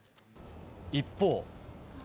一方。